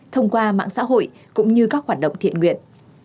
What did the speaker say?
thông qua mạng xã hội cũng như các hoạt động thiện nguyện